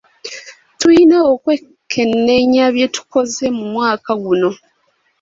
Tuyina okwekenneenya bye tukoze mu mwaka guno.